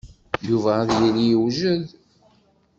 Yuba ad yili yewjed.